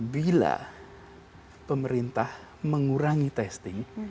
bila pemerintah mengurangi testing